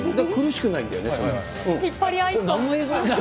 だから苦しくないんだよね。